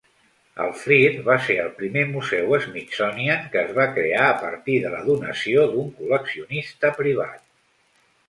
El Freer va ser el primer museu Smithsonian que es va crear a partir de la donació d'un col·leccionista privat.